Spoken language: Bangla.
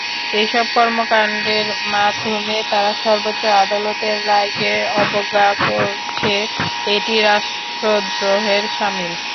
এসব কর্মকাণ্ডের মাধ্যমে তারা সর্বোচ্চ আদালতের রায়কে অবজ্ঞা করছে, এটি রাষ্ট্রদ্রোহের শামিল।